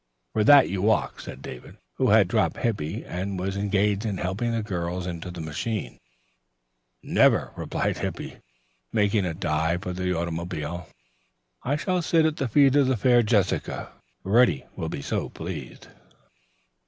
"For that you walk," said David, who had dropped Hippy and was engaged in helping the girls into the machine. "Never," replied Hippy, making a dive for the automobile. "I shall sit at the feet of the fair Jessica. Reddy will be so pleased."